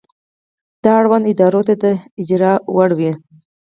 دا اړوندو ادارو ته د اجرا وړ وي.